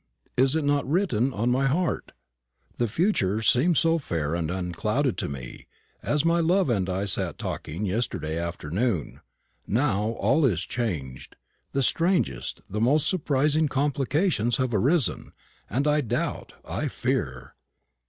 Is it not written on my heart? The future seemed so fair and unclouded to me, as my love and I sat talking together yesterday afternoon. Now all is changed. The strangest, the most surprising complications have arisen; and I doubt, I fear.